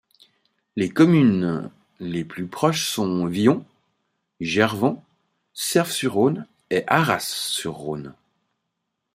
Les communes les plus proches sont Vion, Gervans, Serves-sur-Rhône et Arras-sur-Rhône.